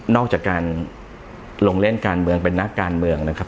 อกจากการลงเล่นการเมืองเป็นนักการเมืองนะครับ